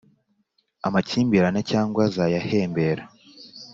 Amakimbiran cyangwa zayahembera